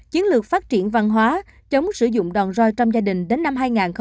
chiến lược phát triển văn hóa chống sử dụng đòn roi trong gia đình đến năm hai nghìn ba mươi